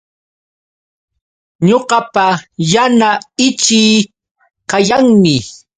Ñuqapa yana ichii kayanmi